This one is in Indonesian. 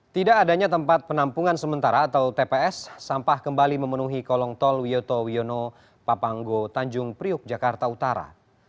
tidak adanya tempat penampungan sementara atau tps sampah kembali memenuhi kolong tol wiyoto wiono papanggo tanjung priuk jakarta utara